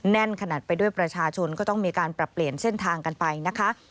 แน่นขนาดไปด้วยประชาชนก็ต้องมีการปรับเปลี่ยนเส้นทางกันไปนะคะ